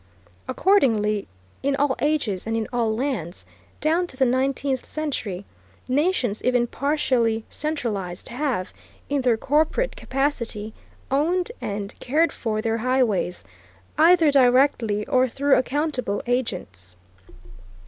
Accordingly, in all ages and in all lands, down to the nineteenth century, nations even partially centralized have, in their corporate capacity, owned and cared for their highways, either directly or through accountable agents.